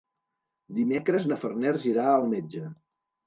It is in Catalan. Dimecres na Farners anirà al metge.